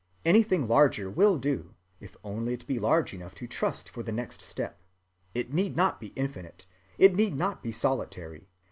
Anything larger will do, if only it be large enough to trust for the next step. It need not be infinite, it need not be solitary.